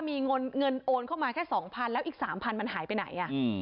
มีเงินโอนเข้ามาแค่๒๐๐๐แล้วอีก๓๐๐มันหายไปไหน